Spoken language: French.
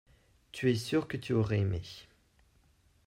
Tu es sûr que tu aurais aimé.